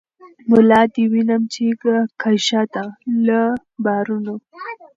ملا دي وینم چی کږه ده له بارونو